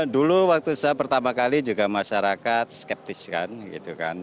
dulu waktu saya pertama kali juga masyarakat skeptis kan gitu kan